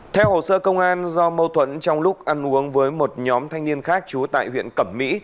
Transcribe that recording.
theo hồ sơ công an do mâu thuẫn trong lúc ăn uống với một nhóm thanh niên khác chú tại huyện cẩm mỹ